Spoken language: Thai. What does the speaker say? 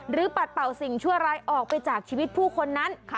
ปัดเป่าสิ่งชั่วร้ายออกไปจากชีวิตผู้คนนั้น